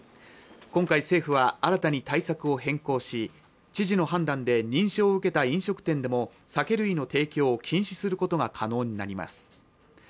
今回政府は新たに対策を変更し知事の判断で認証を受けた飲食店でも酒類の提供を禁止することが可能になります